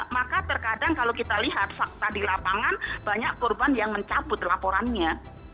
maka terkadang kalau kita lihat fakta di lapangan banyak korban yang mencabut laporannya